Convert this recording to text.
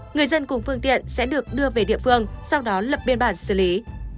người dân cùng phương tiện sẽ được đưa về địa phương sau đó lập biên bản xử lý